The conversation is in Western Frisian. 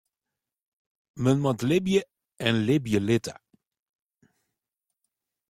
Men moat libje en libje litte.